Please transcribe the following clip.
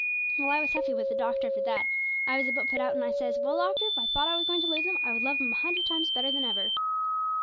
'Well, I was huffy with doctor after that; I was a bit put out, and I says, "Well, doctor, if I thought I was going to lose him I would love him a hundred times better than ever."